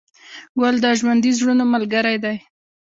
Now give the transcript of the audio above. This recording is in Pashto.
ګل د ژوندي زړونو ملګری دی.